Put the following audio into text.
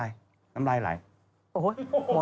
อาโอเคเอาเชิญครับ